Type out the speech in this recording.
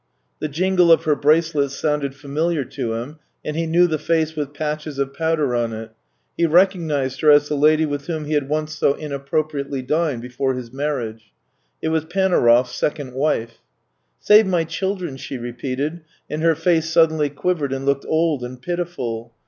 The jingle of her bracelets sounded familiar to him, and he knew the face with patches of powder on it; he recognized her as the lady with whom he had once so inappropriately dined before his marriage. It was Panaurov's second wife. " Save my children," she repeated, and her face suddenly quivered and looked old and pitiful.